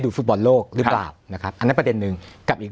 ฟุตบอลโลกหรือเปล่านะครับอันนั้นประเด็นหนึ่งกับอีก